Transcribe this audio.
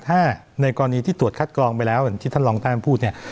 ถ้าในกรณีที่ตรวจคัดกรองไปแล้วอย่างที่ท่านรองท่านพูดเนี่ย